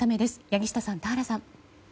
柳下さん、田原さん。